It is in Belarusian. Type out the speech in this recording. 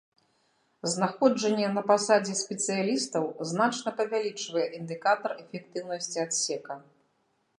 Знаходжанне на пасадзе спецыялістаў значна павялічвае індыкатар эфектыўнасці адсека.